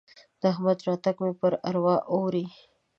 د احمد راتګ مې پر اروا اوري.